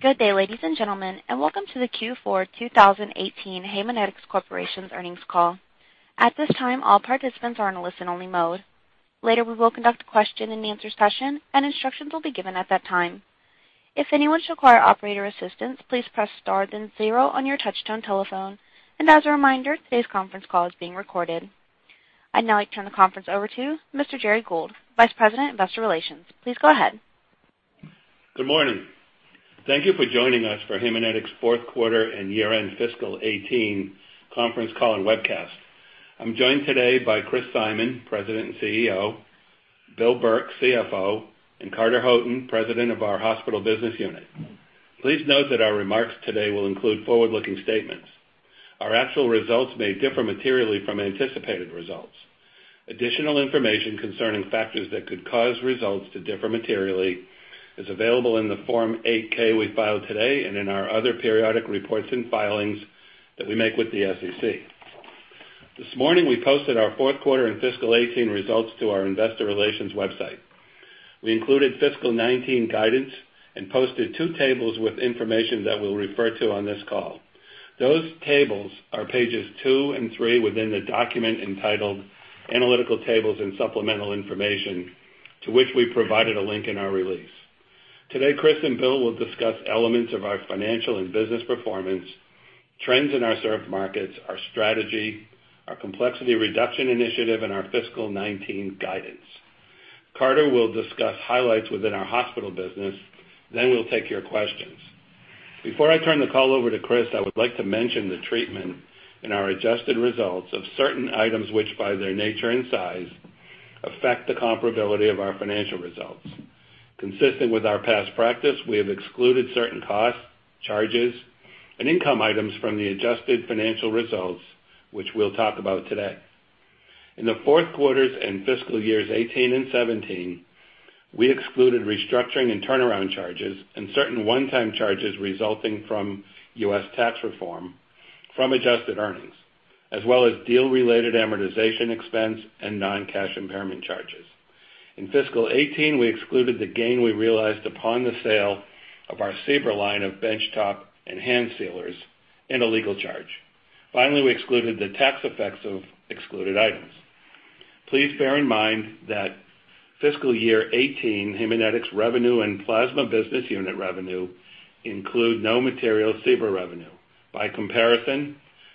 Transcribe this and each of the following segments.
Good day, ladies and gentlemen, and welcome to the Q4 2018 Haemonetics Corporation's earnings call. At this time, all participants are in listen only mode. Later, we will conduct a question and answer session, and instructions will be given at that time. If anyone should require operator assistance, please press star then zero on your touchtone telephone. As a reminder, today's conference call is being recorded. I'd now like to turn the conference over to Mr. Gerry Gould, Vice President, Investor Relations. Please go ahead. Good morning. Thank you for joining us for Haemonetics' fourth quarter and year-end fiscal 2018 conference call and webcast. I'm joined today by Christopher Simon, President and CEO, William Burke, CFO, and Carter Houghton, President of our Hospital Business Unit. Please note that our remarks today will include forward-looking statements. Our actual results may differ materially from anticipated results. Additional information concerning factors that could cause results to differ materially is available in the Form 8-K we filed today and in our other periodic reports and filings that we make with the SEC. This morning, we posted our fourth quarter and fiscal 2018 results to our investor relations website. We included fiscal 2019 guidance and posted two tables with information that we'll refer to on this call. Those tables are pages two and three within the document entitled Analytical Tables and Supplemental Information, to which we provided a link in our release. Today, Chris and Bill will discuss elements of our financial and business performance, trends in our served markets, our strategy, our complexity reduction initiative, and our fiscal 2019 guidance. Carter will discuss highlights within our hospital business. We'll take your questions. Before I turn the call over to Chris, I would like to mention the treatment in our adjusted results of certain items, which, by their nature and size, affect the comparability of our financial results. Consistent with our past practice, we have excluded certain costs, charges, and income items from the adjusted financial results, which we'll talk about today. In the fourth quarters and fiscal years 2018 and 2017, we excluded restructuring and turnaround charges and certain one-time charges resulting from U.S. tax reform from adjusted earnings, as well as deal-related amortization expense and non-cash impairment charges. In fiscal 2018, we excluded the gain we realized upon the sale of our Saber line of benchtop and hand sealers and a legal charge. Finally, we excluded the tax effects of excluded items. Please bear in mind that fiscal year 2018 Haemonetics revenue and Plasma business unit revenue include no material Saber revenue. By comparison,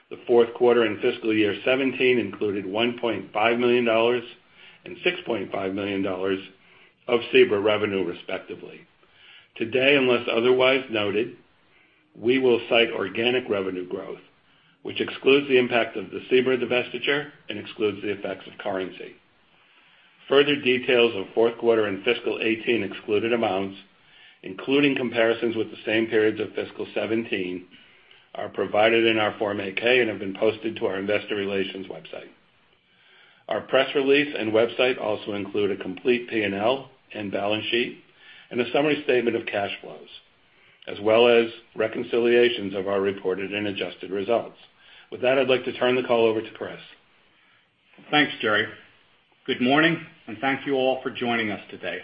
the fourth quarter and fiscal year 2017 included $1.5 million and $6.5 million of Saber revenue, respectively. Today, unless otherwise noted, we will cite organic revenue growth, which excludes the impact of the Saber divestiture and excludes the effects of currency. Further details of fourth quarter and fiscal 2018 excluded amounts, including comparisons with the same periods of fiscal 2017, are provided in our Form 8-K and have been posted to our investor relations website. Our press release and website also include a complete P&L and balance sheet, and a summary statement of cash flows, as well as reconciliations of our reported and adjusted results. With that, I'd like to turn the call over to Chris. Thanks, Gerry. Good morning, thank you all for joining us today.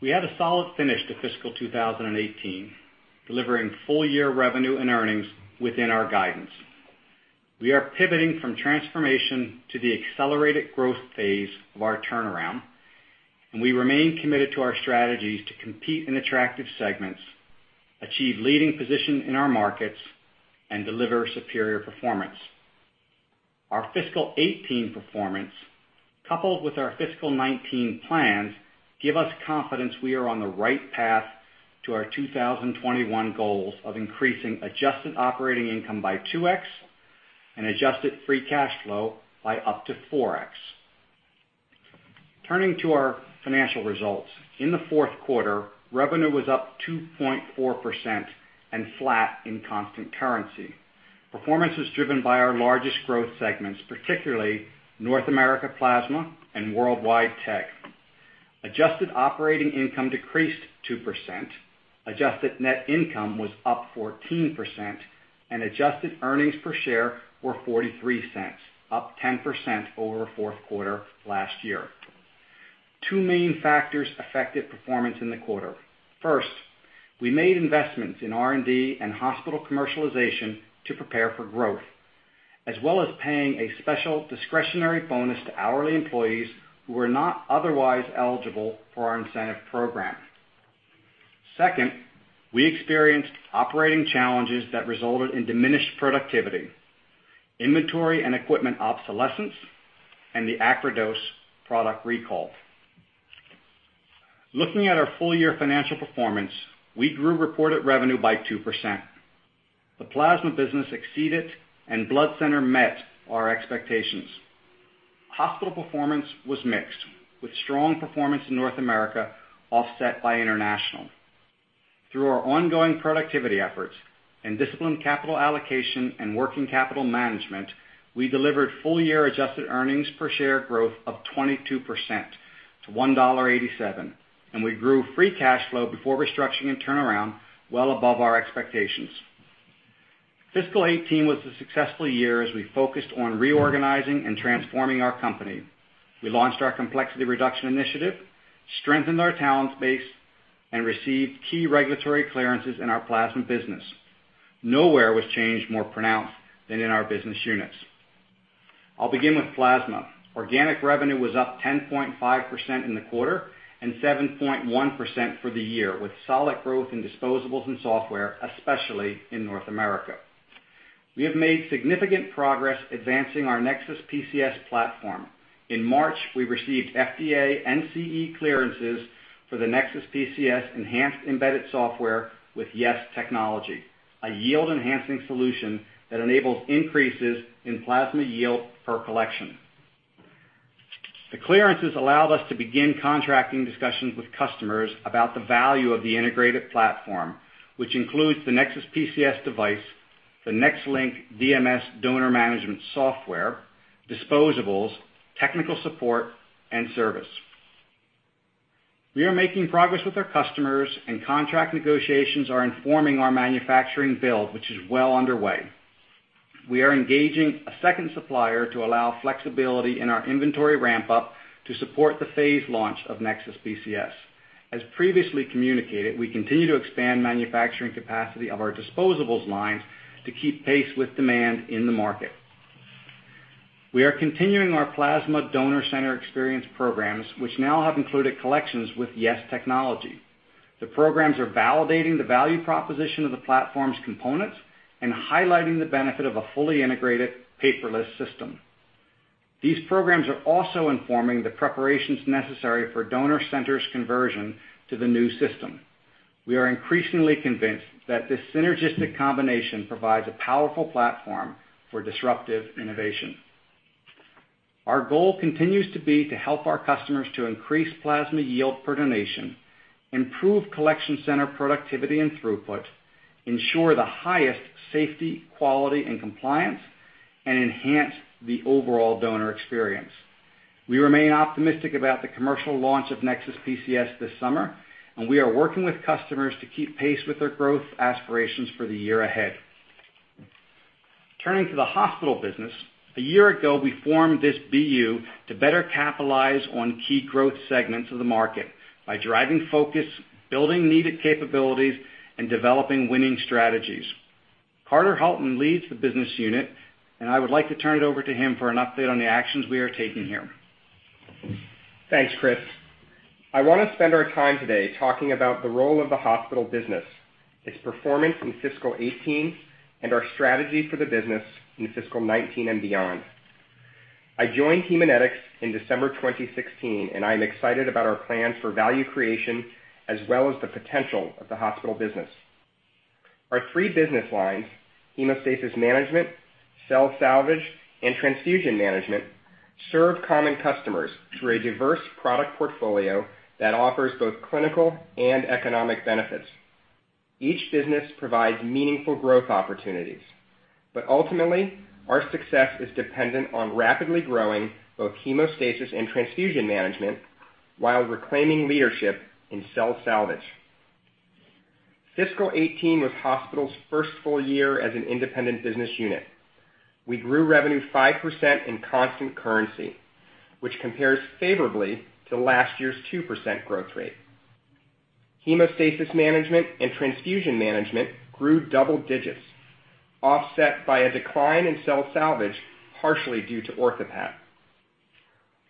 We had a solid finish to fiscal 2018, delivering full-year revenue and earnings within our guidance. We are pivoting from transformation to the accelerated growth phase of our turnaround, we remain committed to our strategies to compete in attractive segments, achieve leading position in our markets, and deliver superior performance. Our fiscal 2018 performance, coupled with our fiscal 2019 plans, give us confidence we are on the right path to our 2021 goals of increasing adjusted operating income by 2x and adjusted free cash flow by up to 4x. Turning to our financial results. In the fourth quarter, revenue was up 2.4% and flat in constant currency. Performance was driven by our largest growth segments, particularly North America Plasma and Worldwide TEG. Adjusted operating income decreased 2%, adjusted net income was up 14%, and adjusted earnings per share were $0.43, up 10% over fourth quarter last year. Two main factors affected performance in the quarter. First, we made investments in R&D and hospital commercialization to prepare for growth, as well as paying a special discretionary bonus to hourly employees who are not otherwise eligible for our incentive program. Second, we experienced operating challenges that resulted in diminished productivity, inventory and equipment obsolescence, and the Acrodose product recall. Looking at our full-year financial performance, we grew reported revenue by 2%. The Plasma business exceeded and blood center met our expectations. Hospital performance was mixed, with strong performance in North America offset by international. Through our ongoing productivity efforts and disciplined capital allocation and working capital management, we delivered full-year adjusted earnings per share growth of 22% to $1.87, we grew free cash flow before restructuring and turnaround well above our expectations. Fiscal 2018 was a successful year as we focused on reorganizing and transforming our company. We launched our complexity reduction initiative, strengthened our talent base, and received key regulatory clearances in our Plasma business. Nowhere was change more pronounced than in our business units. I'll begin with Plasma. Organic revenue was up 10.5% in the quarter and 7.1% for the year, with solid growth in disposables and software, especially in North America. We have made significant progress advancing our NexSys PCS platform. In March, we received FDA and CE clearances for the NexSys PCS enhanced embedded software with YES technology, a yield-enhancing solution that enables increases in plasma yield per collection. The clearances allowed us to begin contracting discussions with customers about the value of the integrated platform, which includes the NexSys PCS device, the NexLynk DMS donor management software, disposables, technical support, and service. We are making progress with our customers, and contract negotiations are informing our manufacturing build, which is well underway. We are engaging a second supplier to allow flexibility in our inventory ramp-up to support the phased launch of NexSys PCS. As previously communicated, we continue to expand manufacturing capacity of our disposables lines to keep pace with demand in the market. We are continuing our plasma donor center experience programs, which now have included collections with YES technology. The programs are validating the value proposition of the platform's components and highlighting the benefit of a fully integrated paperless system. These programs are also informing the preparations necessary for donor centers' conversion to the new system. We are increasingly convinced that this synergistic combination provides a powerful platform for disruptive innovation. Our goal continues to be to help our customers to increase plasma yield per donation, improve collection center productivity and throughput, ensure the highest safety, quality, and compliance, and enhance the overall donor experience. We remain optimistic about the commercial launch of NexSys PCS this summer. We are working with customers to keep pace with their growth aspirations for the year ahead. Turning to the hospital business, a year ago, we formed this BU to better capitalize on key growth segments of the market by driving focus, building needed capabilities, and developing winning strategies. Carter Houghton leads the business unit, and I would like to turn it over to him for an update on the actions we are taking here. Thanks, Chris. I want to spend our time today talking about the role of the hospital business, its performance in fiscal 2018, and our strategy for the business in fiscal 2019 and beyond. I joined Haemonetics in December 2016. I am excited about our plans for value creation, as well as the potential of the hospital business. Our three business lines, hemostasis management, cell salvage, and transfusion management, serve common customers through a diverse product portfolio that offers both clinical and economic benefits. Each business provides meaningful growth opportunities. Ultimately, our success is dependent on rapidly growing both hemostasis and transfusion management while reclaiming leadership in cell salvage. Fiscal 2018 was the hospital's first full year as an independent business unit. We grew revenue 5% in constant currency, which compares favorably to last year's 2% growth rate. Hemostasis management and transfusion management grew double digits, offset by a decline in cell salvage, partially due to OrthoPAT.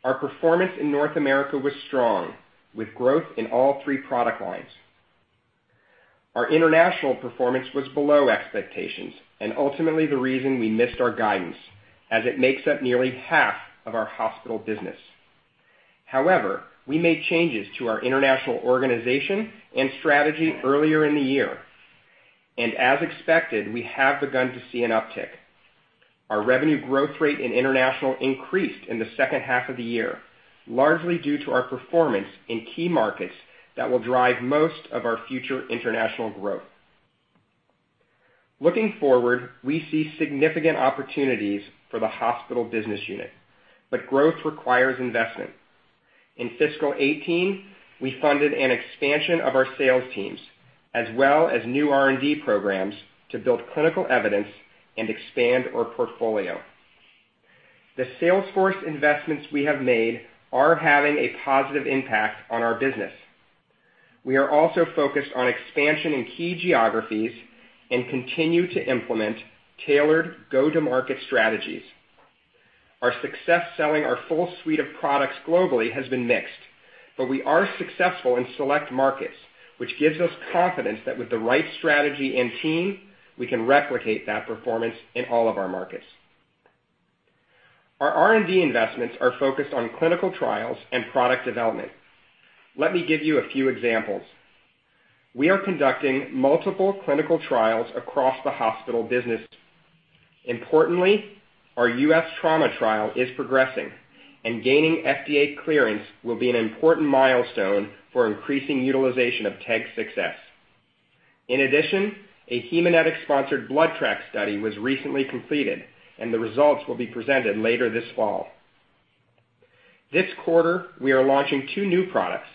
Our performance in North America was strong, with growth in all three product lines. Our international performance was below expectations and ultimately the reason we missed our guidance, as it makes up nearly half of our hospital business. We made changes to our international organization and strategy earlier in the year. As expected, we have begun to see an uptick. Our revenue growth rate in international increased in the second half of the year, largely due to our performance in key markets that will drive most of our future international growth. Looking forward, we see significant opportunities for the hospital business unit, but growth requires investment. In fiscal 2018, we funded an expansion of our sales teams, as well as new R&D programs to build clinical evidence and expand our portfolio. The sales force investments we have made are having a positive impact on our business. We are also focused on expansion in key geographies and continue to implement tailored go-to-market strategies. Our success selling our full suite of products globally has been mixed, but we are successful in select markets, which gives us confidence that with the right strategy and team, we can replicate that performance in all of our markets. Our R&D investments are focused on clinical trials and product development. Let me give you a few examples. We are conducting multiple clinical trials across the hospital business. Importantly, our U.S. trauma trial is progressing, and gaining FDA clearance will be an important milestone for increasing utilization of TEG 6s. In addition, a Haemonetics-sponsored BloodTrack study was recently completed, and the results will be presented later this fall. This quarter, we are launching two new products.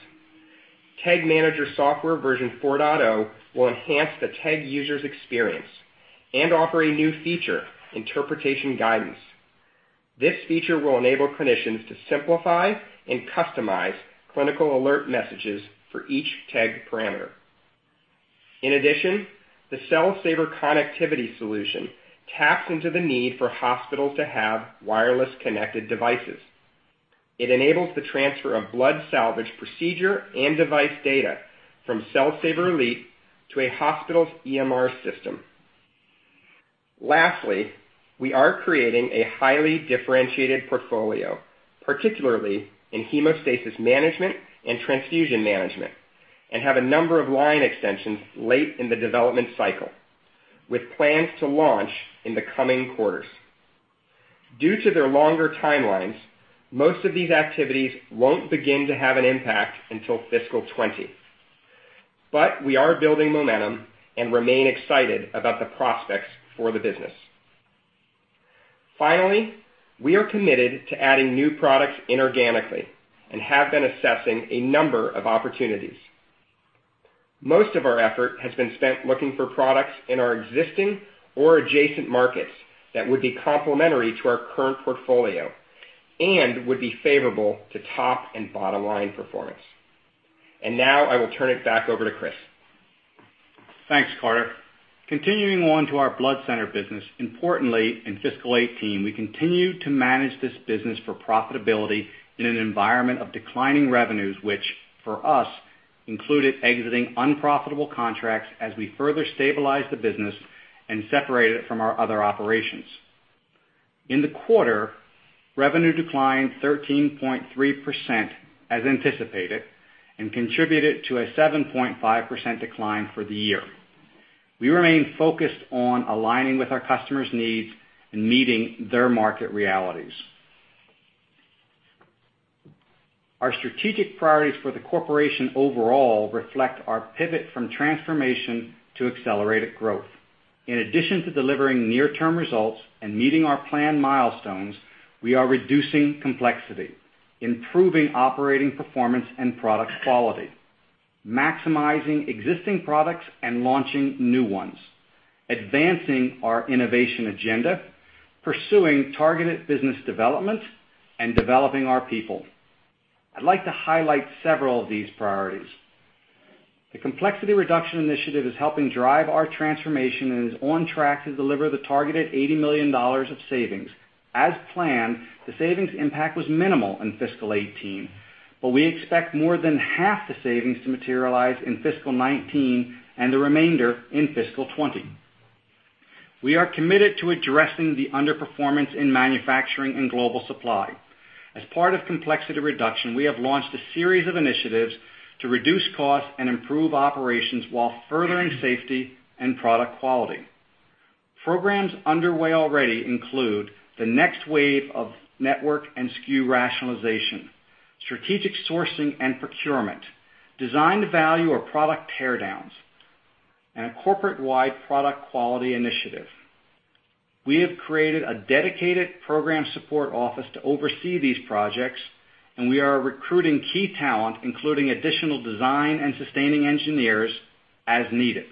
TEG Manager software version 4.0 will enhance the TEG user's experience and offer a new feature, interpretation guidance. This feature will enable clinicians to simplify and customize clinical alert messages for each TEG parameter. In addition, the Cell Saver Connectivity solution taps into the need for hospitals to have wireless connected devices. It enables the transfer of blood salvage procedure and device data from Cell Saver Elite to a hospital's EMR system. Lastly, we are creating a highly differentiated portfolio, particularly in hemostasis management and transfusion management, and have a number of line extensions late in the development cycle, with plans to launch in the coming quarters. Due to their longer timelines, most of these activities won't begin to have an impact until fiscal 2020. We are building momentum and remain excited about the prospects for the business. Finally, we are committed to adding new products inorganically and have been assessing a number of opportunities. Most of our effort has been spent looking for products in our existing or adjacent markets that would be complementary to our current portfolio and would be favorable to top and bottom-line performance. Now I will turn it back over to Chris. Thanks, Carter. Continuing on to our blood center business, importantly, in fiscal 2018, we continued to manage this business for profitability in an environment of declining revenues, which, for us, included exiting unprofitable contracts as we further stabilized the business and separated it from our other operations. In the quarter, revenue declined 13.3% as anticipated and contributed to a 7.5% decline for the year. We remain focused on aligning with our customers' needs and meeting their market realities. Our strategic priorities for the corporation overall reflect our pivot from transformation to accelerated growth. In addition to delivering near-term results and meeting our planned milestones, we are reducing complexity, improving operating performance and product quality, maximizing existing products and launching new ones, advancing our innovation agenda, pursuing targeted business development, and developing our people. I'd like to highlight several of these priorities. The complexity reduction initiative is helping drive our transformation and is on track to deliver the targeted $80 million of savings. As planned, the savings impact was minimal in fiscal 2018, but we expect more than half the savings to materialize in fiscal 2019 and the remainder in fiscal 2020. We are committed to addressing the underperformance in manufacturing and global supply. As part of complexity reduction, we have launched a series of initiatives to reduce costs and improve operations while furthering safety and product quality. Programs underway already include the next wave of network and SKU rationalization, strategic sourcing and procurement, design to value or product teardowns, and a corporate-wide product quality initiative. We have created a dedicated program support office to oversee these projects, and we are recruiting key talent, including additional design and sustaining engineers as needed.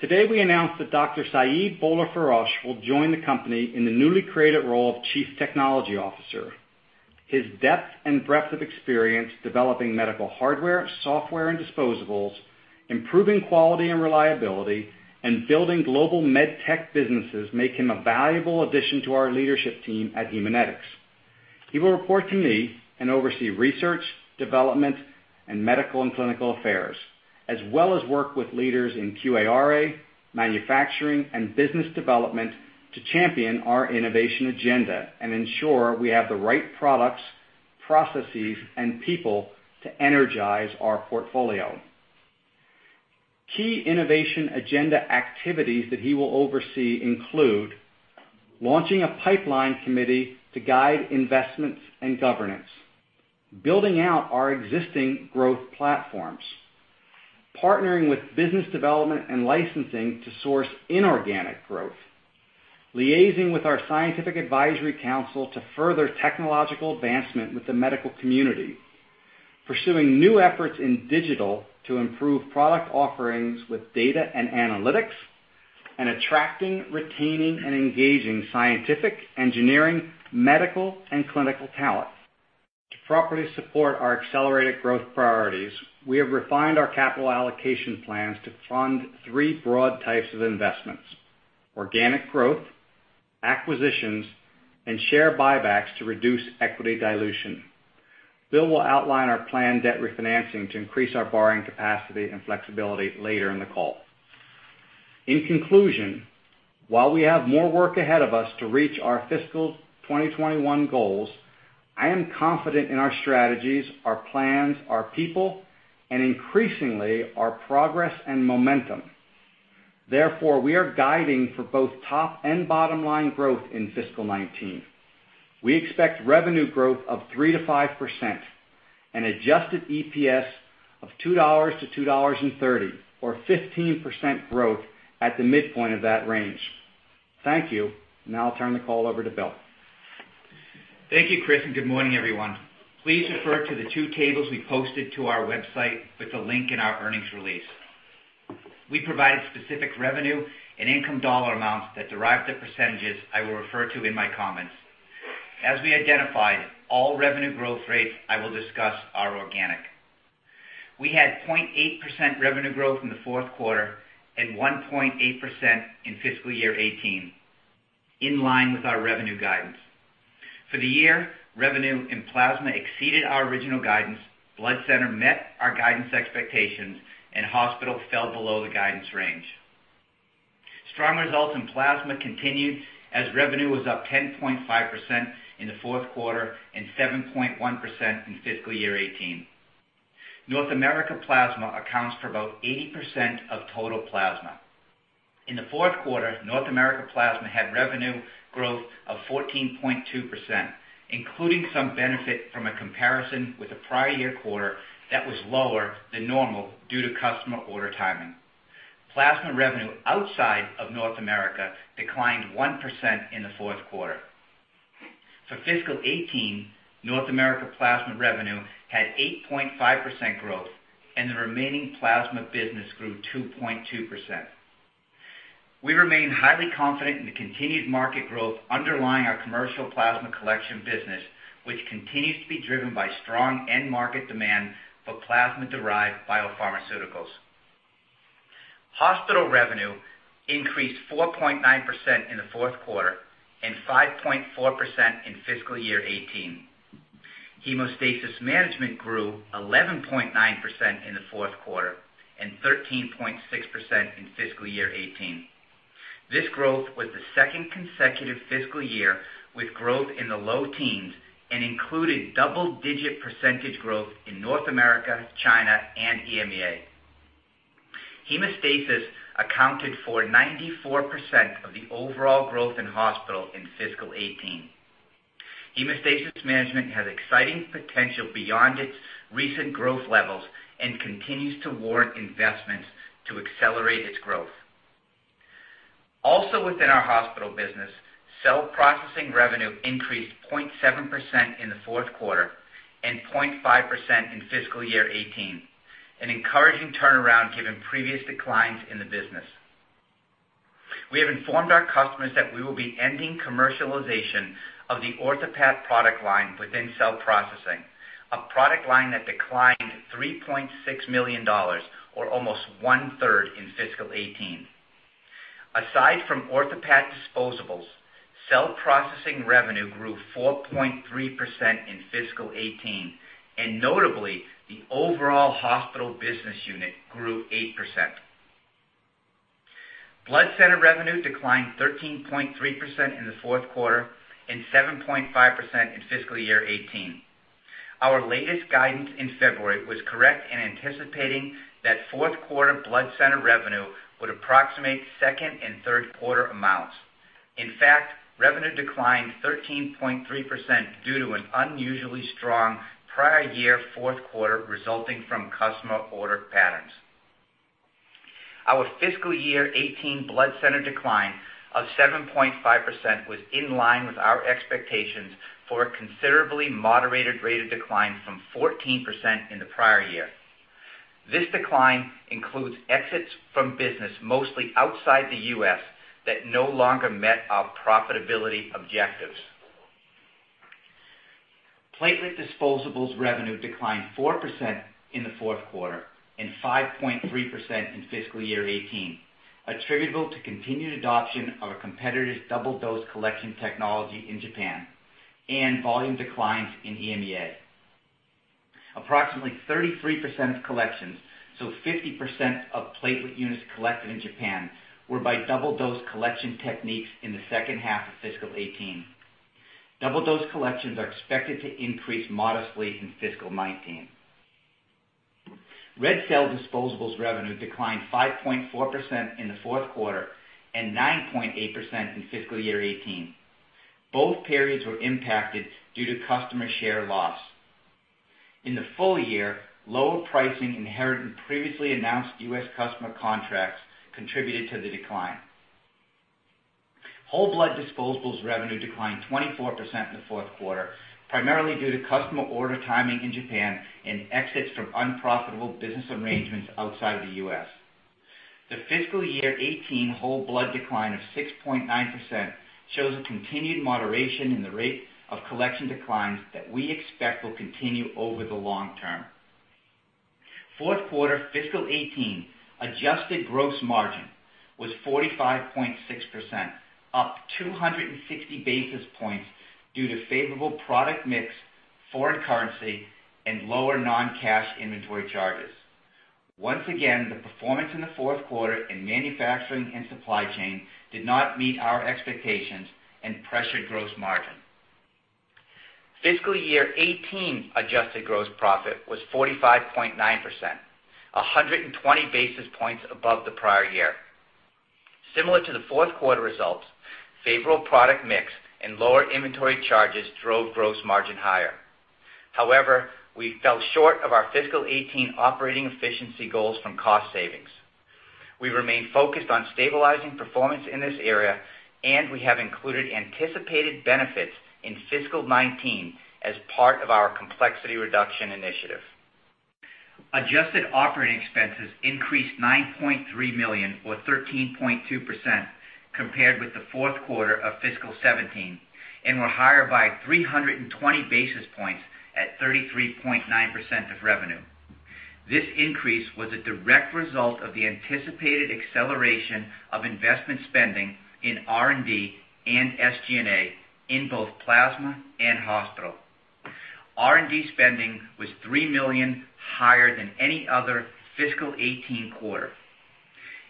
Today, we announced that Dr. Said Bolorforosh will join the company in the newly created role of Chief Technology Officer. His depth and breadth of experience developing medical hardware, software, and disposables, improving quality and reliability, and building global med tech businesses make him a valuable addition to our leadership team at Haemonetics. He will report to me and oversee research, development, and medical and clinical affairs, as well as work with leaders in QARA, manufacturing, and business development to champion our innovation agenda and ensure we have the right products, processes, and people to energize our portfolio. Key innovation agenda activities that he will oversee include launching a pipeline committee to guide investments and governance, building out our existing growth platforms, partnering with business development and licensing to source inorganic growth, liaising with our scientific advisory council to further technological advancement with the medical community, pursuing new efforts in digital to improve product offerings with data and analytics, and attracting, retaining, and engaging scientific, engineering, medical, and clinical talent. To properly support our accelerated growth priorities, we have refined our capital allocation plans to fund three broad types of investments, organic growth, acquisitions, and share buybacks to reduce equity dilution. Bill will outline our planned debt refinancing to increase our borrowing capacity and flexibility later in the call. In conclusion, while we have more work ahead of us to reach our fiscal 2021 goals, I am confident in our strategies, our plans, our people, and increasingly, our progress and momentum. We are guiding for both top and bottom-line growth in fiscal 2019. We expect revenue growth of 3% to 5% and adjusted EPS of $2.00-$2.30, or 15% growth at the midpoint of that range. Thank you. Now I'll turn the call over to Bill. Thank you, Chris, and good morning, everyone. Please refer to the two tables we posted to our website with the link in our earnings release. We provide specific revenue and income dollar amounts that derive the percentages I will refer to in my comments. As we identified, all revenue growth rates I will discuss are organic. We had 0.8% revenue growth in the fourth quarter and 1.8% in fiscal year 2018, in line with our revenue guidance. For the year, revenue in Plasma exceeded our original guidance, Blood Center met our guidance expectations, and Hospital fell below the guidance range. Strong results in Plasma continued as revenue was up 10.5% in the fourth quarter and 7.1% in fiscal year 2018. North America Plasma accounts for about 80% of total Plasma. In the fourth quarter, North America Plasma had revenue growth of 14.2%, including some benefit from a comparison with the prior year quarter that was lower than normal due to customer order timing. Plasma revenue outside of North America declined 1% in the fourth quarter. For fiscal year 2018, North America Plasma revenue had 8.5% growth, and the remaining Plasma business grew 2.2%. We remain highly confident in the continued market growth underlying our commercial Plasma collection business, which continues to be driven by strong end market demand for Plasma-derived biopharmaceuticals. Hospital revenue increased 4.9% in the fourth quarter and 5.4% in fiscal year 2018. Hemostasis Management grew 11.9% in the fourth quarter and 13.6% in fiscal year 2018. This growth was the second consecutive fiscal year with growth in the low teens and included double-digit percentage growth in North America, China, and EMEA. Hemostasis accounted for 94% of the overall growth in Hospital in fiscal year 2018. Hemostasis Management has exciting potential beyond its recent growth levels and continues to warrant investments to accelerate its growth. Also within our Hospital business, cell processing revenue increased 0.7% in the fourth quarter and 0.5% in fiscal year 2018, an encouraging turnaround given previous declines in the business. We have informed our customers that we will be ending commercialization of the OrthoPAT product line within cell processing, a product line that declined $3.6 million, or almost one-third in fiscal year 2018. Aside from OrthoPAT disposables, cell processing revenue grew 4.3% in fiscal year 2018, and notably, the overall Hospital business unit grew 8%. Blood Center revenue declined 13.3% in the fourth quarter and 7.5% in fiscal year 2018. Our latest guidance in February was correct in anticipating that fourth quarter Blood Center revenue would approximate second and third quarter amounts. In fact, revenue declined 13.3% due to an unusually strong prior year fourth quarter resulting from customer order patterns. Our fiscal year 2018 Blood Center decline of 7.5% was in line with our expectations for a considerably moderated rate of decline from 14% in the prior year. This decline includes exits from business, mostly outside the U.S., that no longer met our profitability objectives. Platelet disposables revenue declined 4% in the fourth quarter and 5.3% in fiscal year 2018, attributable to continued adoption of a competitor's double dose collection technology in Japan and volume declines in EMEA. Approximately 33% of collections, so 50% of platelet units collected in Japan, were by double dose collection techniques in the second half of fiscal year 2018. Double dose collections are expected to increase modestly in fiscal 2019. Red cell disposables revenue declined 5.4% in the fourth quarter and 9.8% in fiscal year 2018. Both periods were impacted due to customer share loss. In the full year, lower pricing inherent in previously announced U.S. customer contracts contributed to the decline. Whole blood disposables revenue declined 24% in the fourth quarter, primarily due to customer order timing in Japan and exits from unprofitable business arrangements outside the U.S. The fiscal year 2018 whole blood decline of 6.9% shows a continued moderation in the rate of collection declines that we expect will continue over the long term. Fourth quarter fiscal 2018 adjusted gross margin was 45.6%, up 260 basis points due to favorable product mix, foreign currency, and lower non-cash inventory charges. Once again, the performance in the fourth quarter in manufacturing and supply chain did not meet our expectations and pressured gross margin. Fiscal year 2018 adjusted gross profit was 45.9%, 120 basis points above the prior year. Similar to the fourth quarter results, favorable product mix and lower inventory charges drove gross margin higher. However, we fell short of our fiscal 2018 operating efficiency goals from cost savings. We remain focused on stabilizing performance in this area, and we have included anticipated benefits in fiscal 2019 as part of our complexity reduction initiative. Adjusted operating expenses increased $9.3 million or 13.2% compared with the fourth quarter of fiscal 2017, and were higher by 320 basis points at 33.9% of revenue. This increase was a direct result of the anticipated acceleration of investment spending in R&D and SG&A in both Plasma and Hospital. R&D spending was $3 million higher than any other fiscal 2018 quarter.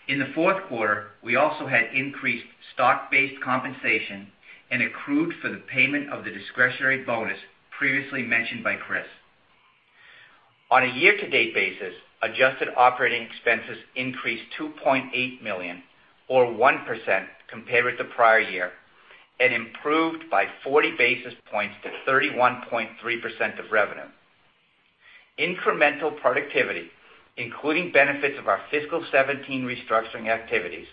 In the fourth quarter, we also had increased stock-based compensation and accrued for the payment of the discretionary bonus previously mentioned by Chris. On a year-to-date basis, adjusted operating expenses increased $2.8 million or 1% compared with the prior year and improved by 40 basis points to 31.3% of revenue. Incremental productivity, including benefits of our fiscal 2017 restructuring activities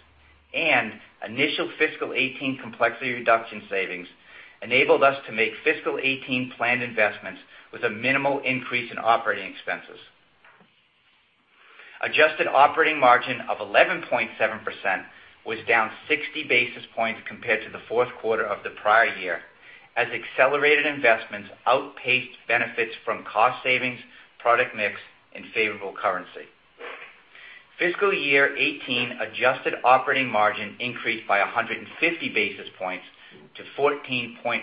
and initial fiscal 2018 complexity reduction savings, enabled us to make fiscal 2018 planned investments with a minimal increase in operating expenses. Adjusted operating margin of 11.7% was down 60 basis points compared to the fourth quarter of the prior year as accelerated investments outpaced benefits from cost savings, product mix, and favorable currency. Fiscal year 2018 adjusted operating margin increased by 150 basis points to 14.5%.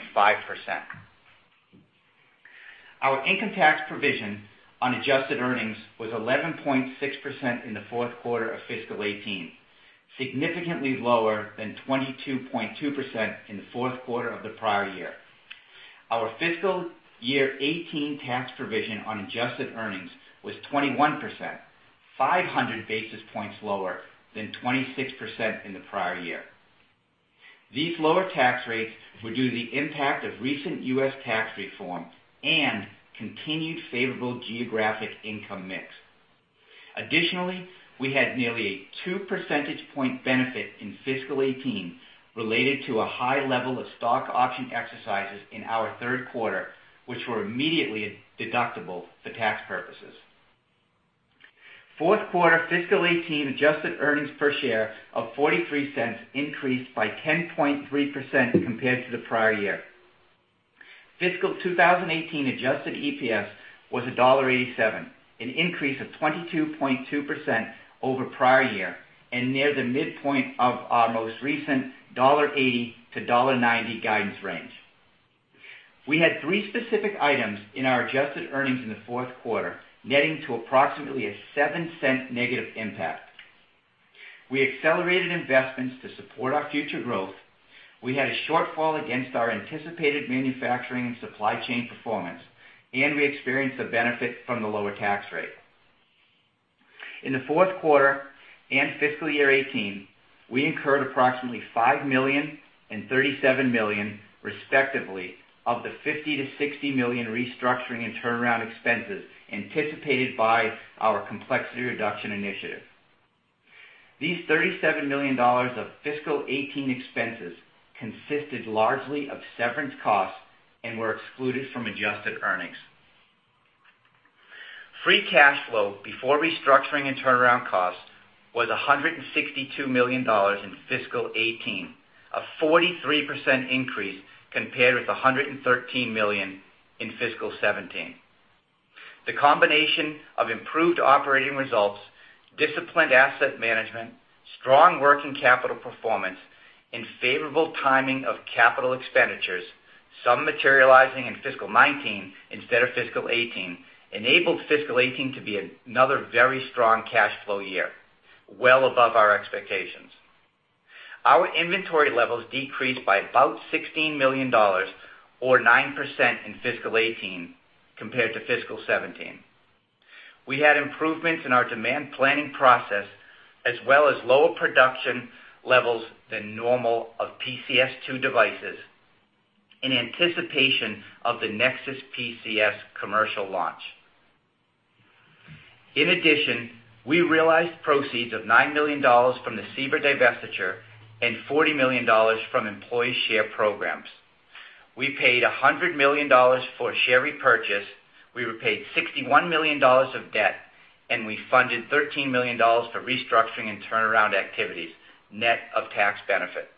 Our income tax provision on adjusted earnings was 11.6% in the fourth quarter of fiscal 2018, significantly lower than 22.2% in the fourth quarter of the prior year. Our fiscal year 2018 tax provision on adjusted earnings was 21%, 500 basis points lower than 26% in the prior year. These lower tax rates were due to the impact of recent U.S. tax reform and continued favorable geographic income mix. Additionally, we had nearly a two percentage point benefit in fiscal 2018 related to a high level of stock option exercises in our third quarter, which were immediately deductible for tax purposes. Fourth quarter fiscal 2018 adjusted earnings per share of $0.43 increased by 10.3% compared to the prior year. Fiscal 2018 adjusted EPS was $1.87, an increase of 22.2% over prior year and near the midpoint of our most recent $1.80-$1.90 guidance range. We had three specific items in our adjusted earnings in the fourth quarter, netting to approximately a $0.07 negative impact. We accelerated investments to support our future growth, we had a shortfall against our anticipated manufacturing and supply chain performance, and we experienced the benefit from the lower tax rate. In the fourth quarter and fiscal year 2018, we incurred approximately $5 million and $37 million, respectively, of the $50 million-$60 million restructuring and turnaround expenses anticipated by our complexity reduction initiative. These $37 million of fiscal 2018 expenses consisted largely of severance costs and were excluded from adjusted earnings. Free cash flow before restructuring and turnaround costs was $162 million in fiscal 2018, a 43% increase compared with $113 million in fiscal 2017. The combination of improved operating results, disciplined asset management, strong working capital performance, and favorable timing of capital expenditures, some materializing in fiscal 2019 instead of fiscal 2018, enabled fiscal 2018 to be another very strong cash flow year, well above our expectations. Our inventory levels decreased by about $16 million or 9% in fiscal 2018 compared to fiscal 2017. We had improvements in our demand planning process, as well as lower production levels than normal of PCS2 devices in anticipation of the NexSys PCS commercial launch. In addition, we realized proceeds of $9 million from the Saber divestiture and $40 million from employee share programs. We paid $100 million for share repurchase, we repaid $61 million of debt, and we funded $13 million for restructuring and turnaround activities, net of tax benefit.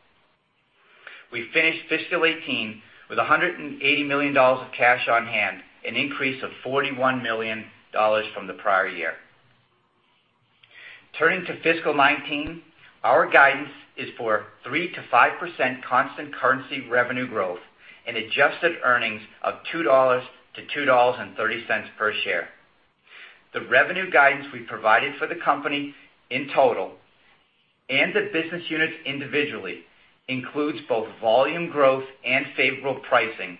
We finished fiscal 2018 with $180 million of cash on hand, an increase of $41 million from the prior year. Turning to fiscal 2019, our guidance is for 3%-5% constant currency revenue growth and adjusted earnings of $2-$2.30 per share. The revenue guidance we provided for the company in total and the business units individually includes both volume growth and favorable pricing,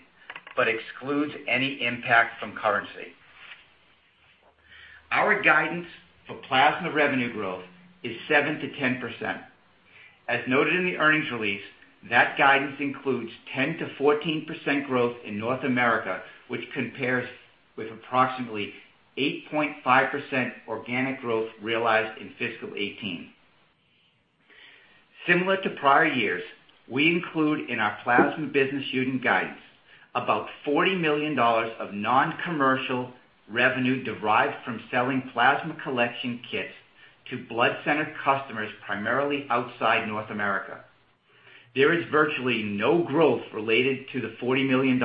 but excludes any impact from currency. Our guidance for plasma revenue growth is 7%-10%. As noted in the earnings release, that guidance includes 10%-14% growth in North America, which compares with approximately 8.5% organic growth realized in fiscal 2018. Similar to prior years, we include in our plasma business unit guidance about $40 million of non-commercial revenue derived from selling plasma collection kits to blood center customers, primarily outside North America. There is virtually no growth related to the $40 million,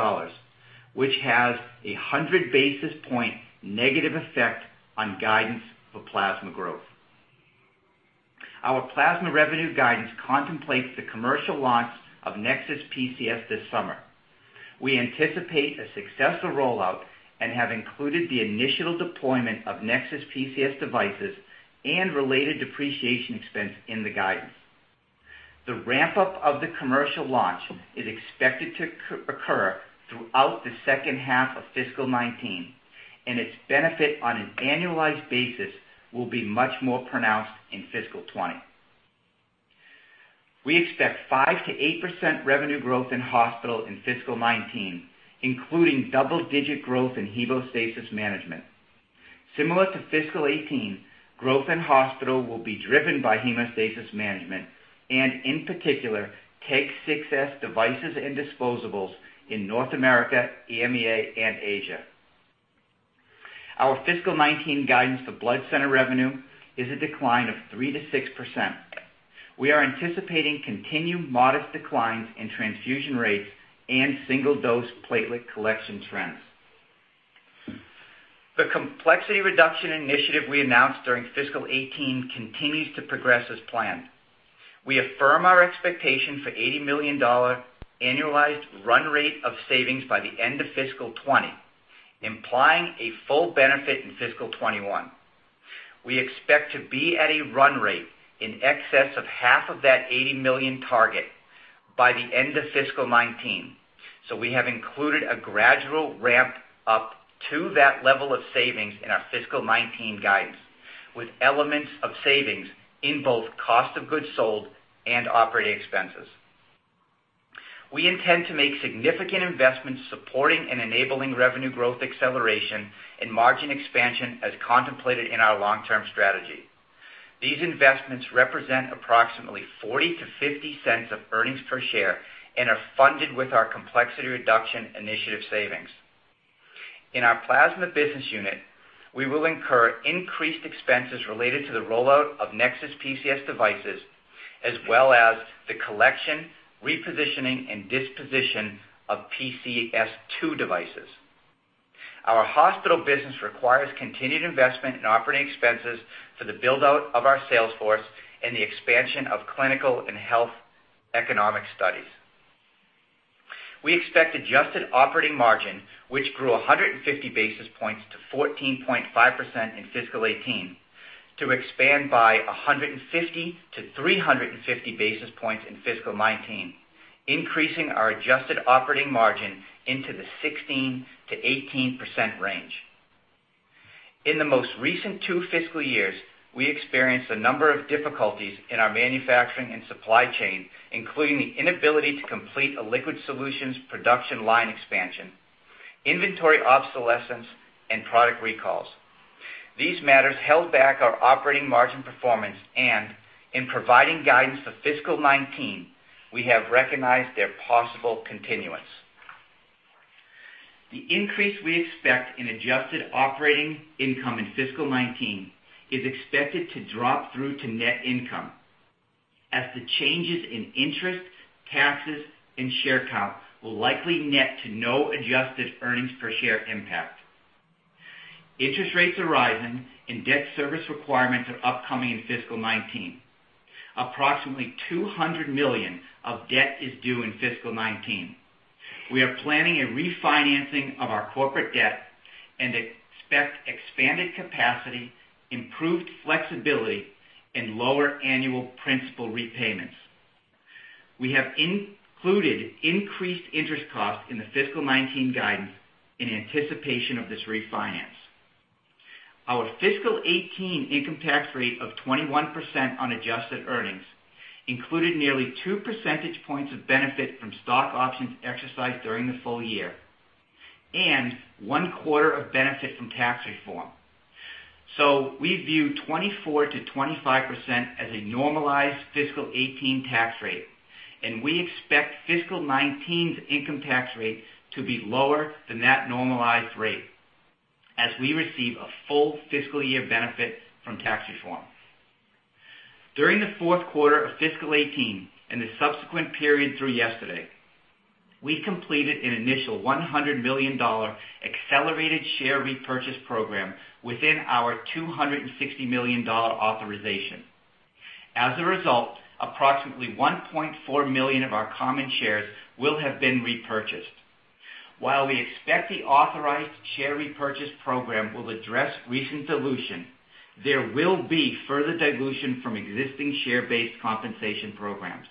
which has a 100-basis point negative effect on guidance for plasma growth. Our plasma revenue guidance contemplates the commercial launch of NexSys PCS this summer. We anticipate a successful rollout and have included the initial deployment of NexSys PCS devices and related depreciation expense in the guidance. The ramp-up of the commercial launch is expected to occur throughout the second half of fiscal 2019, and its benefit on an annualized basis will be much more pronounced in fiscal 2020. We expect 5%-8% revenue growth in hospital in fiscal 2019, including double-digit growth in hemostasis management. Similar to fiscal 2018, growth in hospital will be driven by hemostasis management and, in particular, TEG 6s devices and disposables in North America, EMEA, and Asia. Our fiscal 2019 guidance for blood center revenue is a decline of 3%-6%. We are anticipating continued modest declines in transfusion rates and single-dose platelet collection trends. The complexity reduction initiative we announced during fiscal 2018 continues to progress as planned. We affirm our expectation for $80 million annualized run rate of savings by the end of fiscal 2020, implying a full benefit in fiscal 2021. We expect to be at a run rate in excess of half of that $80 million target by the end of fiscal 2019. We have included a gradual ramp-up to that level of savings in our fiscal 2019 guidance, with elements of savings in both cost of goods sold and operating expenses. We intend to make significant investments supporting and enabling revenue growth acceleration and margin expansion as contemplated in our long-term strategy. These investments represent approximately $0.40-$0.50 of earnings per share and are funded with our complexity reduction initiative savings. In our Plasma Business Unit, we will incur increased expenses related to the rollout of NexSys PCS devices, as well as the collection, repositioning, and disposition of PCS2 devices. Our Hospital Business Unit requires continued investment in operating expenses for the build-out of our sales force and the expansion of clinical and health economic studies. We expect adjusted operating margin, which grew 150 basis points to 14.5% in fiscal 2018, to expand by 150-350 basis points in fiscal 2019, increasing our adjusted operating margin into the 16%-18% range. In the most recent two fiscal years, we experienced a number of difficulties in our manufacturing and supply chain, including the inability to complete a liquid solutions production line expansion, inventory obsolescence, and product recalls. These matters held back our operating margin performance and in providing guidance for fiscal 2019, we have recognized their possible continuance. The increase we expect in adjusted operating income in fiscal 2019 is expected to drop through to net income as the changes in interest, taxes, and share count will likely net to no adjusted earnings per share impact. Interest rates are rising and debt service requirements are upcoming in fiscal 2019. Approximately $200 million of debt is due in fiscal 2019. We are planning a refinancing of our corporate debt and expect expanded capacity, improved flexibility, and lower annual principal repayments. We have included increased interest costs in the fiscal 2019 guidance in anticipation of this refinance. Our fiscal 2018 income tax rate of 21% on adjusted earnings included nearly two percentage points of benefit from stock options exercised during the full year and one quarter of benefit from tax reform. We view 24%-25% as a normalized fiscal 2018 tax rate, and we expect fiscal 2019's income tax rate to be lower than that normalized rate as we receive a full fiscal year benefit from tax reform. During the fourth quarter of fiscal 2018 and the subsequent period through yesterday, we completed an initial $100 million accelerated share repurchase program within our $260 million authorization. As a result, approximately 1.4 million of our common shares will have been repurchased. While we expect the authorized share repurchase program will address recent dilution, there will be further dilution from existing share-based compensation programs.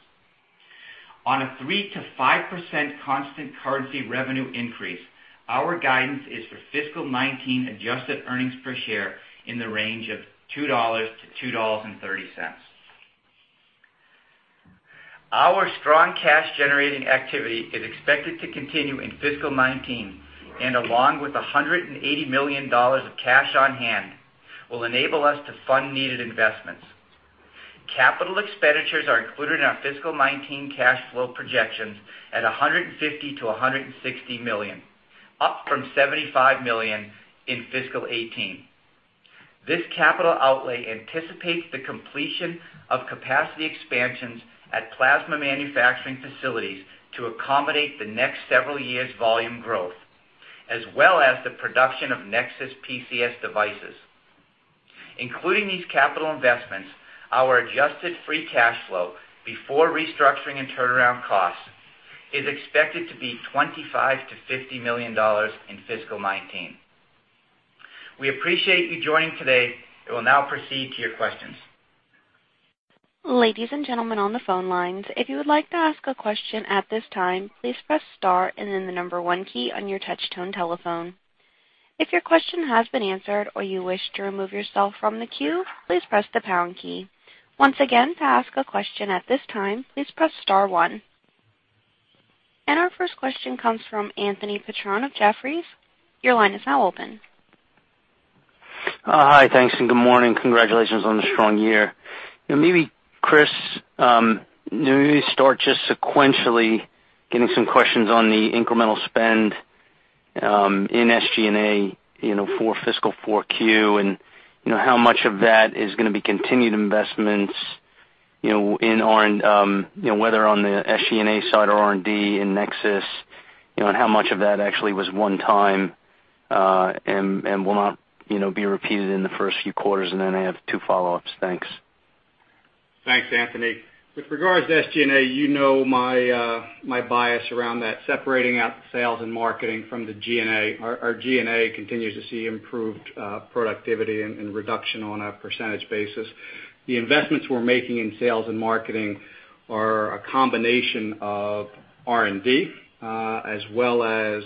On a 3%-5% constant currency revenue increase, our guidance is for fiscal 2019 adjusted earnings per share in the range of $2-$2.30. Our strong cash-generating activity is expected to continue in fiscal 2019, and along with $180 million of cash on hand, will enable us to fund needed investments. Capital expenditures are included in our fiscal 2019 cash flow projections at $150 million-$160 million, up from $75 million in fiscal 2018. This capital outlay anticipates the completion of capacity expansions at plasma manufacturing facilities to accommodate the next several years' volume growth, as well as the production of NexSys PCS devices. Including these capital investments, our adjusted free cash flow before restructuring and turnaround costs is expected to be $25 million-$50 million in fiscal 2019. We appreciate you joining today. We will now proceed to your questions. Ladies and gentlemen on the phone lines, if you would like to ask a question at this time, please press star then the number one key on your touch-tone telephone. If your question has been answered or you wish to remove yourself from the queue, please press the pound key. Once again, to ask a question at this time, please press star one. Our first question comes from Anthony Petrone of Jefferies. Your line is now open. Hi. Thanks, good morning. Congratulations on the strong year. Maybe, Chris, start just sequentially getting some questions on the incremental spend in SG&A, for fiscal 4Q and how much of that is going to be continued investments, whether on the SG&A side or R&D in NexSys, and how much of that actually was one-time, and will not be repeated in the first few quarters? I have two follow-ups. Thanks. Thanks, Anthony. With regards to SG&A, you know my bias around that, separating out the sales and marketing from the G&A. Our G&A continues to see improved productivity and reduction on a percentage basis. The investments we're making in sales and marketing are a combination of R&D as well as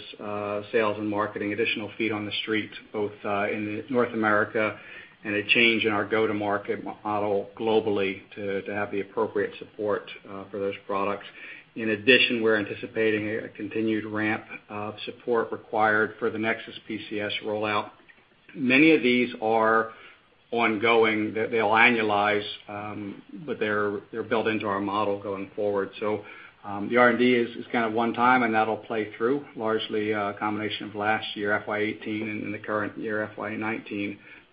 sales and marketing, additional feet on the street, both in North America and a change in our go-to-market model globally to have the appropriate support for those products. In addition, we're anticipating a continued ramp of support required for the NexSys PCS rollout. Many of these are ongoing, that they'll annualize, but they're built into our model going forward. The R&D is kind of one-time, and that'll play through, largely a combination of last year, FY 2018, and the current year, FY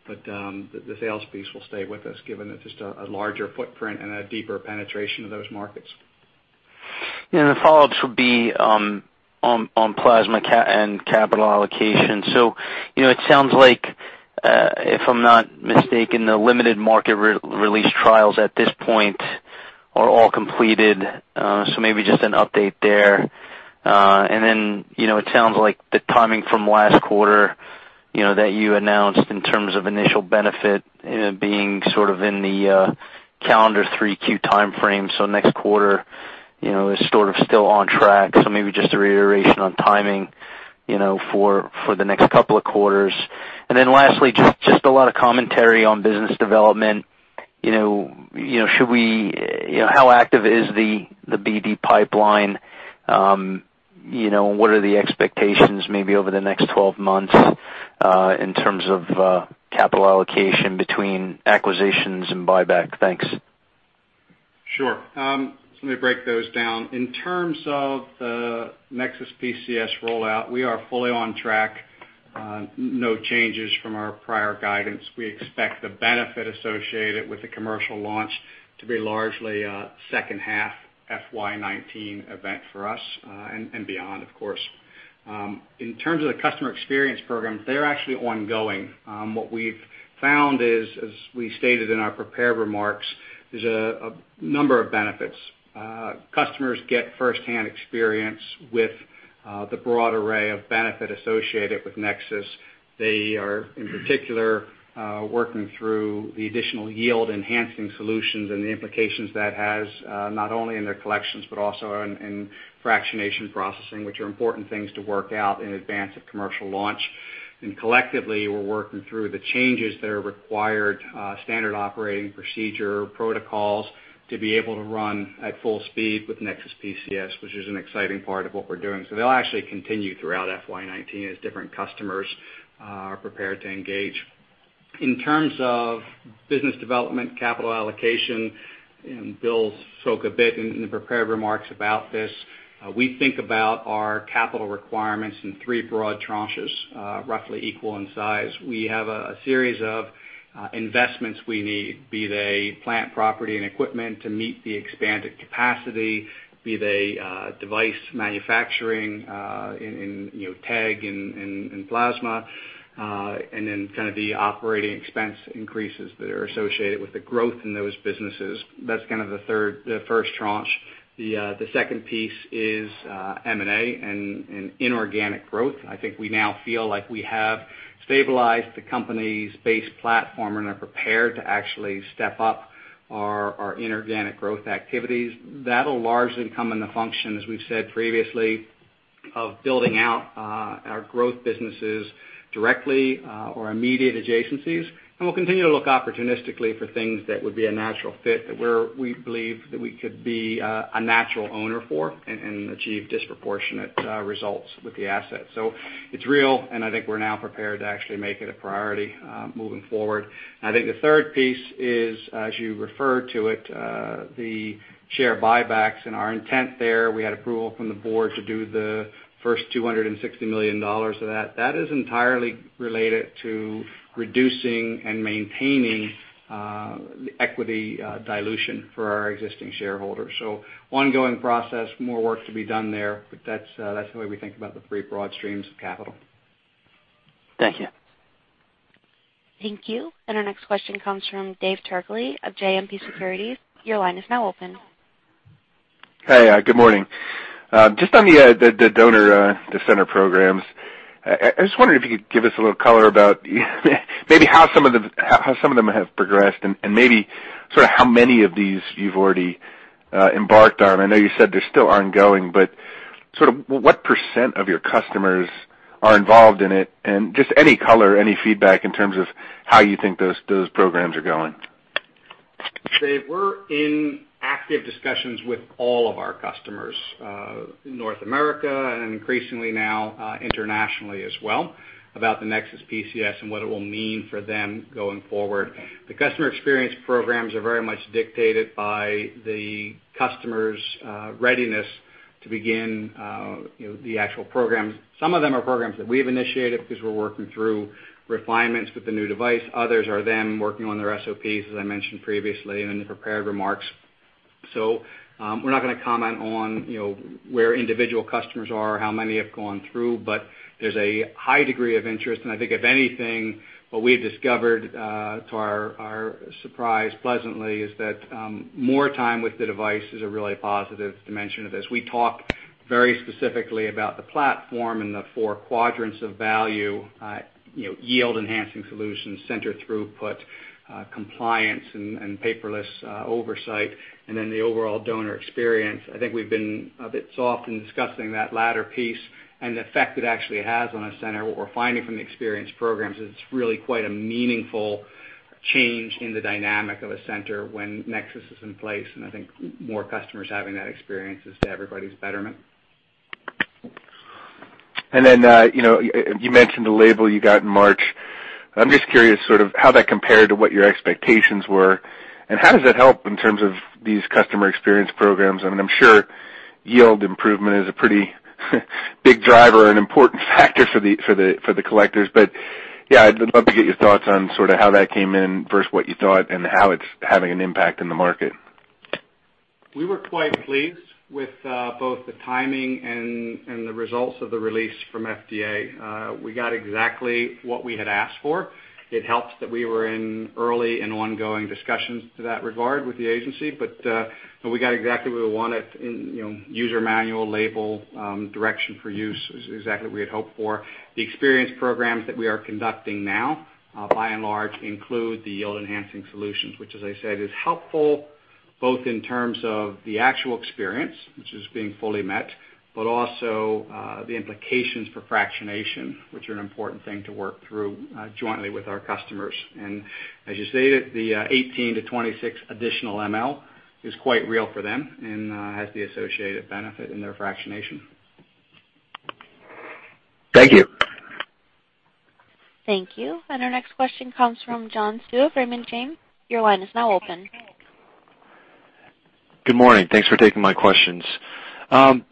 2019. the sales piece will stay with us given that just a larger footprint and a deeper penetration of those markets. Yeah. The follow-ups would be on plasma and capital allocation. It sounds like, if I'm not mistaken, the limited market release trials at this point are all completed. Maybe just an update there. Then it sounds like the timing from last quarter, that you announced in terms of initial benefit being sort of in the calendar 3Q timeframe, next quarter is sort of still on track. Maybe just a reiteration on timing for the next couple of quarters. Lastly, just a lot of commentary on business development. How active is the BD pipeline? What are the expectations maybe over the next 12 months, in terms of capital allocation between acquisitions and buyback? Thanks. Sure. Let me break those down. In terms of the NexSys PCS rollout, we are fully on track. No changes from our prior guidance. We expect the benefit associated with the commercial launch to be largely a second half FY 2019 event for us, and beyond, of course. In terms of the customer experience programs, they're actually ongoing. What we've found is, as we stated in our prepared remarks, there's a number of benefits. Customers get firsthand experience with the broad array of benefit associated with NexSys. They are, in particular, working through the additional yield-enhancing solutions and the implications that has, not only in their collections, but also in fractionation processing, which are important things to work out in advance of commercial launch. Collectively, we're working through the changes that are required, standard operating procedure protocols, to be able to run at full speed with NexSys PCS, which is an exciting part of what we're doing. They'll actually continue throughout FY 2019 as different customers are prepared to engage. In terms of business development, capital allocation, and Bill spoke a bit in the prepared remarks about this, we think about our capital requirements in three broad tranches, roughly equal in size. We have a series of investments we need, be they plant property and equipment to meet the expanded capacity, be they device manufacturing in TEG and plasma, and then kind of the operating expense increases that are associated with the growth in those businesses. That's kind of the first tranche. The second piece is M&A and inorganic growth. I think we now feel like we have stabilized the company's base platform and are prepared to actually step up our inorganic growth activities. That'll largely come into function, as we've said previously, of building out our growth businesses directly or immediate adjacencies, and we'll continue to look opportunistically for things that would be a natural fit that we believe that we could be a natural owner for and achieve disproportionate results with the asset. It's real, and I think we're now prepared to actually make it a priority moving forward. I think the third piece is, as you refer to it, the share buybacks, and our intent there, we had approval from the Board to do the first $260 million of that. That is entirely related to reducing and maintaining equity dilution for our existing shareholders. It is an ongoing process, more work to be done there, but that's the way we think about the three broad streams of capital. Thank you. Thank you. Our next question comes from David Turkaly of JMP Securities. Your line is now open. Good morning. On the donor center programs, I just wondered if you could give us a little color about maybe how some of them have progressed and maybe sort of how many of these you've already embarked on. I know you said they still are ongoing, sort of what % of your customers are involved in it, and just any color, any feedback in terms of how you think those programs are going. Dave, we're in active discussions with all of our customers, in North America and increasingly now internationally as well, about the NexSys PCS and what it will mean for them going forward. The customer experience programs are very much dictated by the customer's readiness to begin the actual programs. Some of them are programs that we've initiated because we're working through refinements with the new device. Others are them working on their SOPs, as I mentioned previously in the prepared remarks. We're not going to comment on where individual customers are, how many have gone through, there's a high degree of interest. I think if anything, what we've discovered, to our surprise pleasantly, is that more time with the device is a really positive dimension of this. We talked very specifically about the platform and the four quadrants of value, yield-enhancing solutions, center throughput, compliance and paperless oversight, the overall donor experience. I think we've been a bit soft in discussing that latter piece and the effect it actually has on a center. What we're finding from the experience programs is it's really quite a meaningful change in the dynamic of a center when NexSys is in place, I think more customers having that experience is to everybody's betterment. You mentioned the label you got in March. I'm just curious sort of how that compared to what your expectations were, how does it help in terms of these customer experience programs? I'm sure yield improvement is a pretty big driver and important factor for the collectors. Yeah, I'd love to get your thoughts on sort of how that came in versus what you thought and how it's having an impact in the market. We were quite pleased with both the timing and the results of the release from FDA. We got exactly what we had asked for. It helped that we were in early and ongoing discussions to that regard with the agency. We got exactly what we wanted in user manual, label, direction for use, is exactly what we had hoped for. The experience programs that we are conducting now, by and large, include the yield-enhancing solutions, which as I said, is helpful both in terms of the actual experience, which is being fully met, but also the implications for fractionation, which are an important thing to work through jointly with our customers. As you stated, the 18-26 additional mL is quite real for them and has the associated benefit in their fractionation. Thank you. Thank you. Our next question comes from John Hsu of Raymond James. Your line is now open. Good morning. Thanks for taking my questions.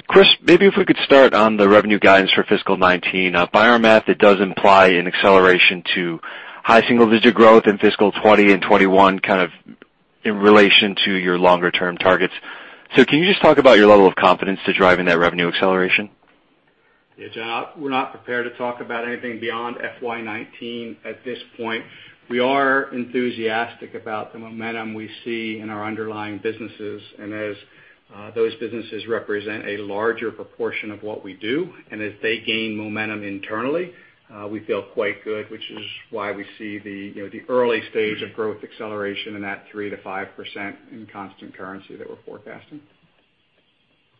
Chris, maybe if we could start on the revenue guidance for fiscal 2019. By our math, it does imply an acceleration to high single-digit growth in fiscal 2020 and 2021, kind of in relation to your longer-term targets. Can you just talk about your level of confidence to driving that revenue acceleration? Yeah, John, we are not prepared to talk about anything beyond FY 2019 at this point. We are enthusiastic about the momentum we see in our underlying businesses, and as those businesses represent a larger proportion of what we do, and as they gain momentum internally, we feel quite good, which is why we see the early stage of growth acceleration in that 3%-5% in constant currency that we are forecasting.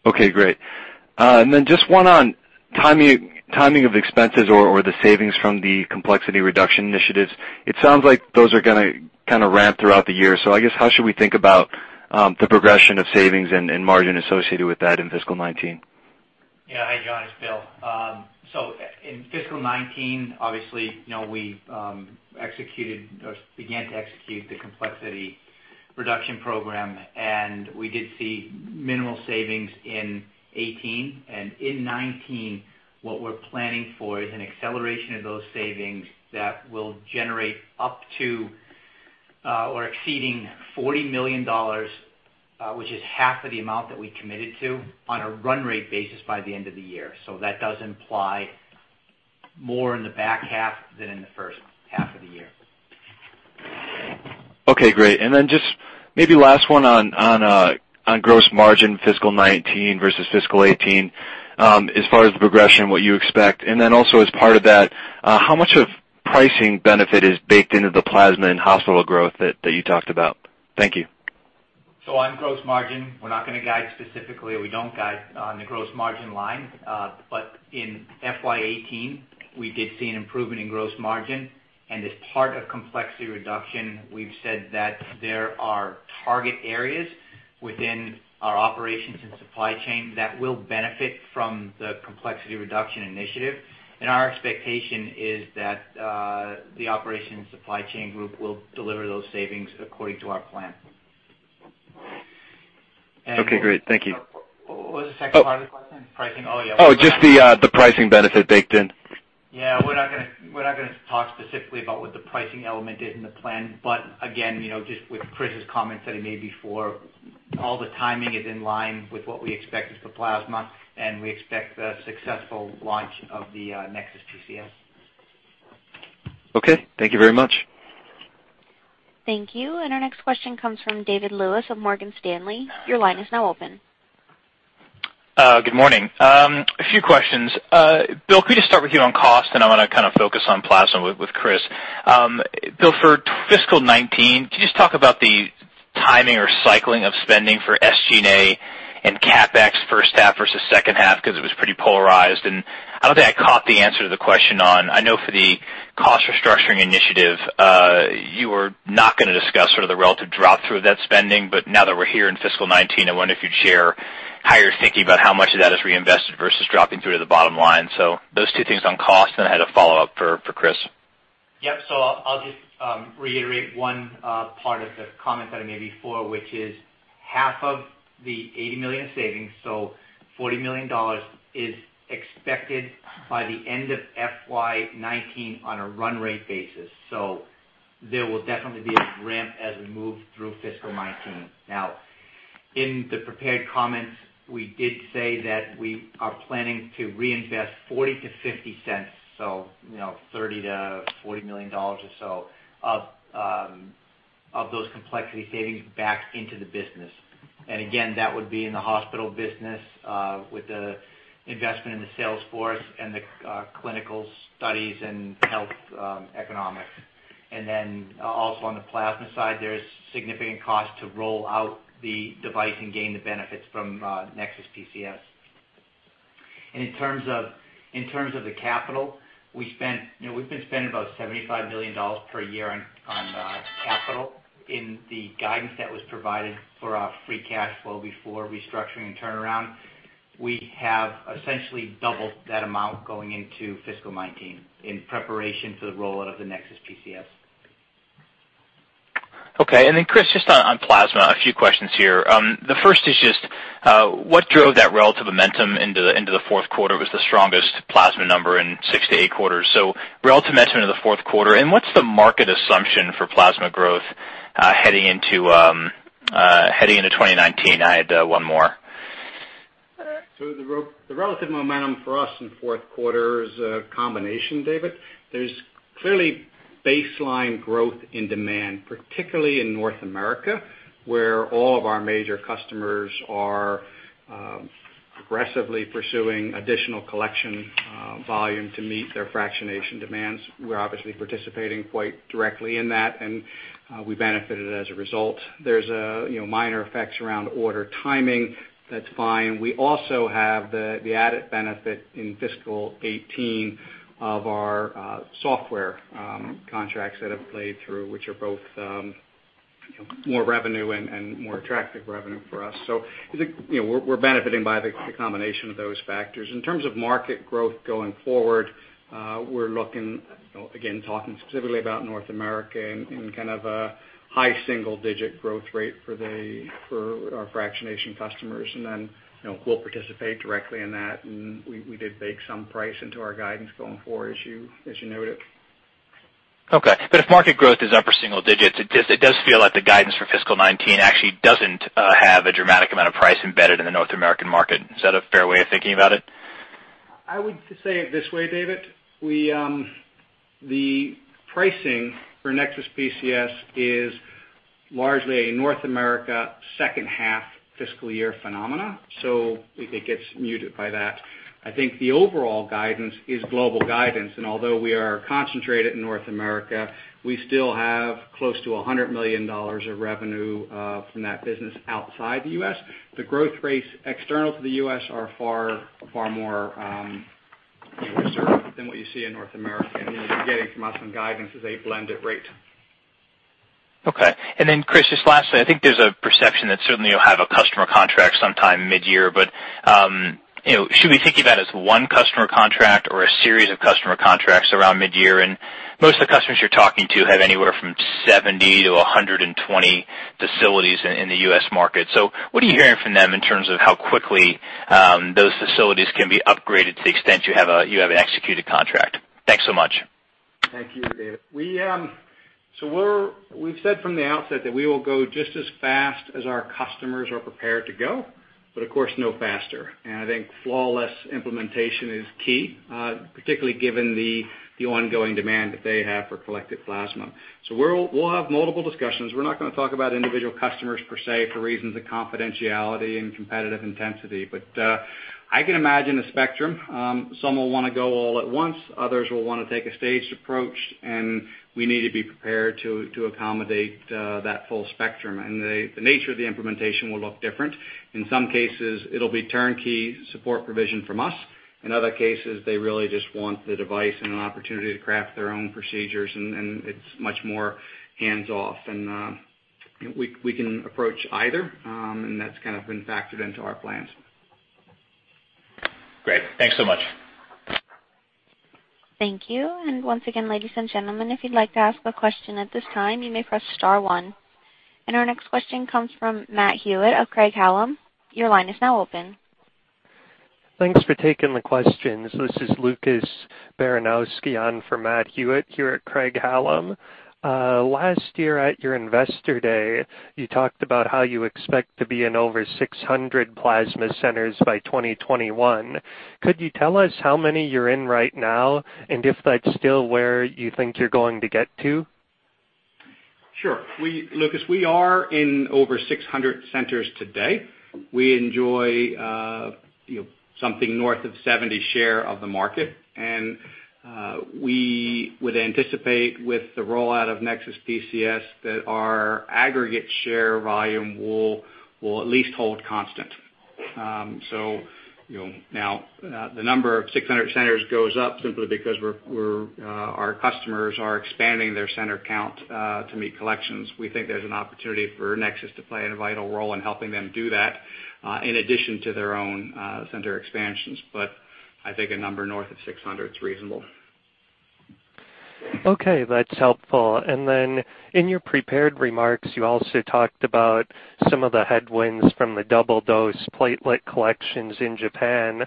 Okay, great. Just one on timing of expenses or the savings from the complexity reduction initiatives. It sounds like those are going to kind of ramp throughout the year. I guess how should we think about the progression of savings and margin associated with that in fiscal 2019? Yeah. Hi, John, it is Bill. In fiscal 2019, obviously we executed or began to execute the complexity reduction program, and we did see minimal savings in 2018. In 2019, what we are planning for is an acceleration of those savings that will generate up to or exceeding $40 million, which is half of the amount that we committed to on a run rate basis by the end of the year. That does imply more in the back half than in the first half of the year. Okay, great. Just maybe last one on gross margin fiscal 2019 versus fiscal 2018, as far as the progression, what you expect. Also as part of that, how much of pricing benefit is baked into the plasma and hospital growth that you talked about? Thank you. On gross margin, we are not going to guide specifically, or we do not guide on the gross margin line. In FY 2018, we did see an improvement in gross margin. As part of complexity reduction, we have said that there are target areas within our operations and supply chain that will benefit from the complexity reduction initiative. Our expectation is that, the operations supply chain group will deliver those savings according to our plan. Okay, great. Thank you. What was the second part of the question? Pricing? Yeah. Just the pricing benefit baked in. Yeah. We're not going to talk specifically about what the pricing element is in the plan. Again, just with Chris's comments that he made before, all the timing is in line with what we expected for plasma, and we expect the successful launch of the NexSys PCS. Okay. Thank you very much. Thank you. Our next question comes from David Lewis of Morgan Stanley. Your line is now open. Good morning. A few questions. Bill, could we just start with you on cost? I want to focus on plasma with Chris. Bill, for fiscal 2019, could you just talk about the timing or cycling of spending for SG&A and CapEx first half versus second half? It was pretty polarized. I don't think I caught the answer to the question on, I know for the cost restructuring initiative, you were not going to discuss sort of the relative drop through of that spending, but now that we're here in fiscal 2019, I wonder if you'd share how you're thinking about how much of that is reinvested versus dropping through to the bottom line. Those two things on cost, I had a follow-up for Chris. Yep. I'll just reiterate one part of the comment that I made before, which is half of the $80 million savings, $40 million, is expected by the end of FY 2019 on a run rate basis. There will definitely be a ramp as we move through fiscal 2019. Now, in the prepared comments, we did say that we are planning to reinvest $0.40-$0.50, $30 million-$40 million or so of those complexity savings back into the business. Again, that would be in the Hospital Business with the investment in the sales force and the clinical studies and health economics. Also on the plasma side, there's significant cost to roll out the device and gain the benefits from NexSys PCS. In terms of the capital, we've been spending about $75 million per year on capital. In the guidance that was provided for our free cash flow before restructuring and turnaround, we have essentially doubled that amount going into fiscal 2019 in preparation for the rollout of the NexSys PCS. Okay. Then Chris, just on plasma, a few questions here. The first is just, what drove that relative momentum into the fourth quarter was the strongest plasma number in six to eight quarters. Relative momentum in the fourth quarter, what's the market assumption for plasma growth heading into 2019? I had one more. The relative momentum for us in fourth quarter is a combination, David. There's clearly baseline growth in demand, particularly in North America, where all of our major customers are aggressively pursuing additional collection volume to meet their fractionation demands. We're obviously participating quite directly in that, we benefited as a result. There's minor effects around order timing. That's fine. We also have the added benefit in fiscal 2018 of our software contracts that have played through, which are both more revenue and more attractive revenue for us. We're benefiting by the combination of those factors. In terms of market growth going forward, we're looking, again, talking specifically about North America in kind of a high single-digit growth rate for our fractionation customers. Then, we'll participate directly in that, we did bake some price into our guidance going forward, as you noted. If market growth is upper single digits, it does feel like the guidance for fiscal 2019 actually doesn't have a dramatic amount of price embedded in the North American market. Is that a fair way of thinking about it? I would say it this way, David. The pricing for NexSys PCS is largely a North America second half fiscal year phenomena. It gets muted by that. I think the overall guidance is global guidance, and although we are concentrated in North America, we still have close to $100 million of revenue from that business outside the U.S. The growth rates external to the U.S. are far more reserved than what you see in North America, and what you're getting from us on guidance is a blended rate. Okay. Chris, just lastly, I think there's a perception that certainly you'll have a customer contract sometime mid-year, but should we think of that as one customer contract or a series of customer contracts around mid-year? Most of the customers you're talking to have anywhere from 70 to 120 facilities in the U.S. market. What are you hearing from them in terms of how quickly those facilities can be upgraded to the extent you have an executed contract? Thanks so much. Thank you, David. We've said from the outset that we will go just as fast as our customers are prepared to go, of course, no faster. I think flawless implementation is key, particularly given the ongoing demand that they have for collected plasma. We'll have multiple discussions. We're not going to talk about individual customers per se for reasons of confidentiality and competitive intensity. I can imagine a spectrum. Some will want to go all at once, others will want to take a staged approach, and we need to be prepared to accommodate that full spectrum. The nature of the implementation will look different. In some cases, it'll be turnkey support provision from us. In other cases, they really just want the device and an opportunity to craft their own procedures, and it's much more hands-off. We can approach either, and that's been factored into our plans. Great. Thanks so much. Thank you. Once again, ladies and gentlemen, if you'd like to ask a question at this time, you may press star one. Our next question comes from Matthew Hewitt of Craig-Hallum. Your line is now open. Thanks for taking the questions. This is Lucas Baranowski on for Matthew Hewitt here at Craig-Hallum. Last year at your Investor Day, you talked about how you expect to be in over 600 plasma centers by 2021. Could you tell us how many you're in right now, and if that's still where you think you're going to get to? Sure. Lucas, we are in over 600 centers today. We enjoy something north of 70 share of the market, and we would anticipate with the rollout of NexSys PCS that our aggregate share volume will at least hold constant. Now, the number of 600 centers goes up simply because our customers are expanding their center count to meet collections. We think there's an opportunity for NexSys to play a vital role in helping them do that, in addition to their own center expansions. I think a number north of 600 is reasonable. Okay, that's helpful. In your prepared remarks, you also talked about some of the headwinds from the double-dose platelet collections in Japan.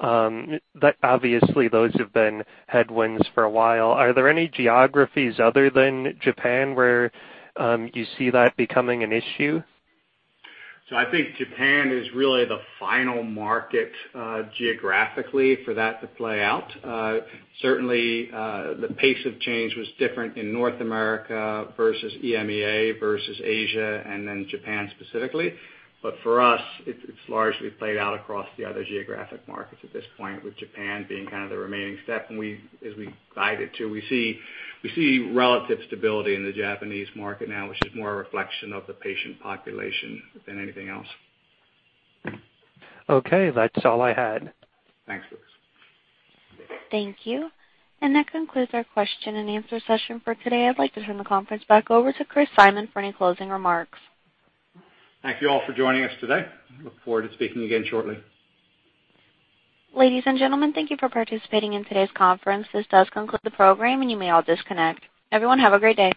Obviously, those have been headwinds for a while. Are there any geographies other than Japan where you see that becoming an issue? I think Japan is really the final market geographically for that to play out. Certainly, the pace of change was different in North America versus EMEA versus Asia, and then Japan specifically. For us, it's largely played out across the other geographic markets at this point, with Japan being the remaining step. As we guided too, we see relative stability in the Japanese market now, which is more a reflection of the patient population than anything else. Okay, that's all I had. Thanks, Lucas. Thank you. That concludes our question and answer session for today. I'd like to turn the conference back over to Christopher Simon for any closing remarks. Thank you all for joining us today. Look forward to speaking again shortly. Ladies and gentlemen, thank you for participating in today's conference. This does conclude the program, and you may all disconnect. Everyone, have a great day.